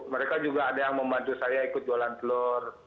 mereka juga ada yang membantu saya ikut jualan telur